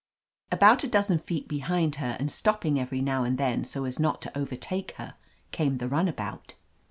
About a dozen feet behind her, and stop ping every now and then so as not to overtake her, came the runabout.